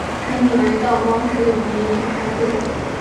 陈鼐为道光十九年己亥科举人。